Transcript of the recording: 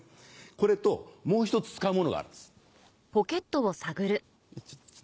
これともう１つ使うものがあるんです。